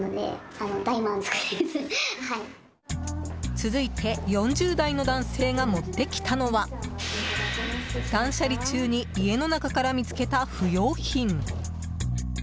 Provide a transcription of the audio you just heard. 続いて４０代の男性が持ってきたのは断捨離中に家の中から見つけた不要品。